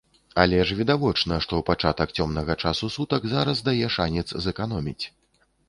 Але ж відавочна, што пачатак цёмнага часу сутак зараз дае шанец зэканоміць.